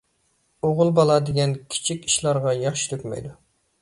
ئوغۇل بالا دېگەن كىچىك ئىشلارغا ياش تۆكمەيدۇ.